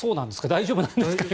大丈夫なんですかね